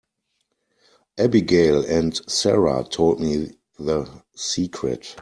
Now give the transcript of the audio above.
Abigail and Sara told me the secret.